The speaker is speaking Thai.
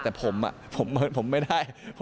แต่ผมอ่ะผมไม่ได้